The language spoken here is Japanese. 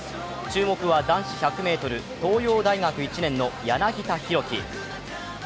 注目は男子１００ｍ東洋大学１年の柳田大輝。